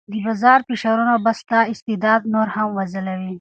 د بازار فشارونه به ستا استعداد نور هم وځلوي.